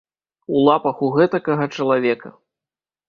У лапах у гэтакага чалавека!